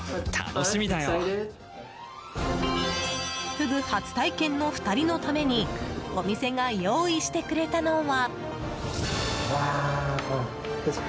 フグ初体験の２人のためにお店が用意してくれたのは。